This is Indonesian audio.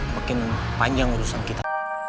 makin panjang urusan kita